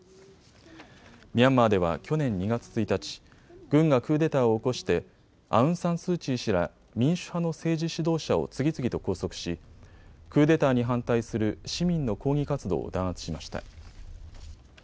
ミャンマーでは去年２月１日、軍がクーデターを起こしてアウン・サン・スー・チー氏ら民主派の政治指導者を次々と拘束しクーデターに反対する市民の抗議活動を弾圧しました。